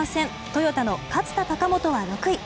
トヨタの勝田貴元は６位。